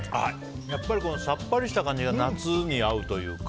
やっぱりさっぱりした感じが夏に合うというか。